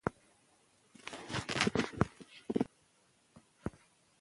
جګړه د انساني پوهې د ودې خنډ دی.